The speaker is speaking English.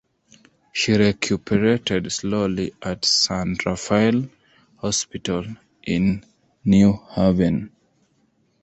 She recuperated slowly at San Raphael Hospital in New Haven.